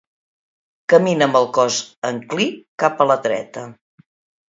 Camina amb el cos enclí cap a la dreta.